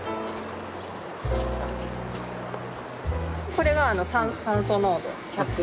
これが酸素濃度１００。